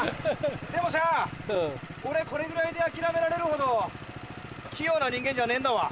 でもさ俺これぐらいで諦められるほど器用な人間じゃねえんだわ。